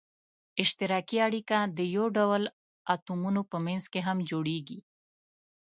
اشتراکي اړیکه د یو ډول اتومونو په منځ کې هم جوړیږي.